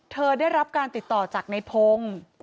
เธอได้รับการติดต่อจากนายพงษ์